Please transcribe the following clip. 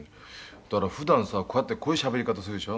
だから普段さこうやってこういうしゃべり方するでしょ？」